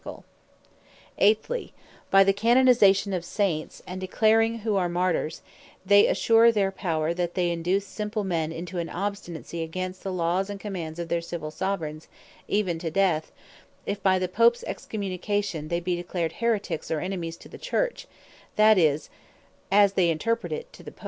Canonization Of Saints, And Declaring Of Martyrs Eighthly, by the Canonization of Saints, and declaring who are Martyrs, they assure their Power, in that they induce simple men into an obstinacy against the Laws and Commands of their Civill Soveraigns even to death, if by the Popes excommunication, they be declared Heretiques or Enemies to the Church; that is, (as they interpret it,) to the Pope.